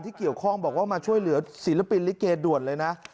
เกี่ยวข้องบอกว่ามาช่วยเหลือศิลปินลิเกด่วนเลยนะ